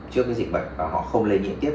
trước cái dịch bệnh và họ không lây trực tiếp